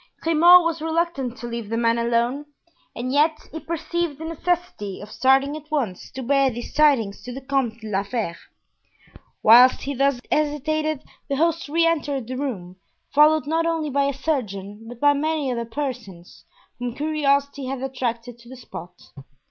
Grimaud was reluctant to leave the man alone and yet he perceived the necessity of starting at once to bear these tidings to the Comte de la Fere. Whilst he thus hesitated the host re entered the room, followed not only by a surgeon, but by many other persons, whom curiosity had attracted to the spot.